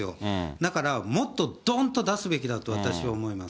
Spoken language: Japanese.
だから、もっとどーんと出すべきだと、私は思います。